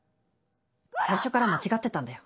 最初から間違ってたんだよ